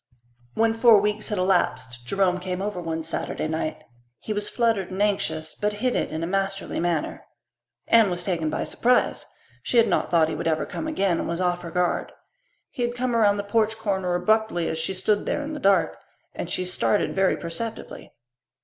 When four weeks had elapsed Jerome came over one Saturday night. He was fluttered and anxious, but hid it in a masterly manner. Anne was taken by surprise. She had not thought he would ever come again, and was off her guard. He had come around the porch corner abruptly as she stood there in the dusk, and she started very perceptibly.